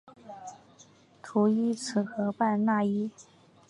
叙伊兹河畔讷伊。